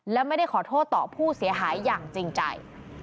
และไม่ได้ขอโทษต่อผู้เสียหายอย่างจริงใจ